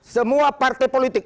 semua partai politik